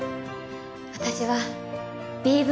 私はＢＶ